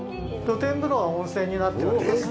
露天風呂は温泉になっております。